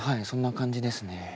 そんな感じですね。